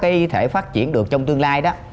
cái thể phát triển được trong tương lai đó